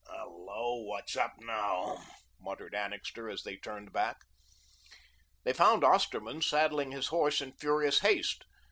"Hello, what's up now?" muttered Annixter, as they turned back. They found Osterman saddling his horse in furious haste.